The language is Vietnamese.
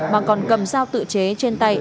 mà còn cầm giao tự chế trên tay